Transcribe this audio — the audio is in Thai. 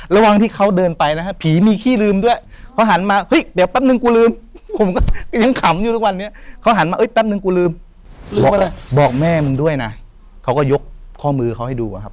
ระวังที่เขาเดินไปนะฮะ